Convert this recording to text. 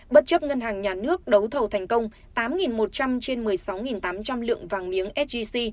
bất chấp ngân hàng nhà nước đấu thầu thành công tám một trăm linh trên một mươi sáu tám trăm linh lượng vàng miếng sgc